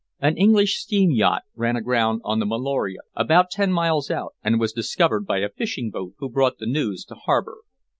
"An English steam yacht ran aground on the Meloria about ten miles out, and was discovered by a fishing boat who brought the news to harbor.